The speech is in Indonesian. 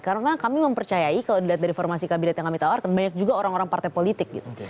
karena kami mempercayai kalau dilihat dari formasi kabinet yang kami tawarkan banyak juga orang orang partai politik gitu